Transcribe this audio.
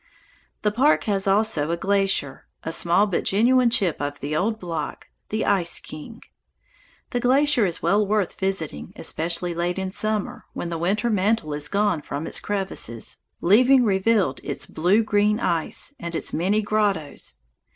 The park has also a glacier, a small but genuine chip of the old block, the Ice King. The glacier is well worth visiting, especially late in summer, when the winter mantle is gone from its crevasses, leaving revealed its blue green ice and its many grottoes.